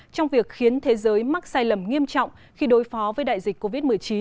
trong việc khiến thế giới mắc sai lầm nghiêm trọng khi đối phó với đại dịch covid một mươi chín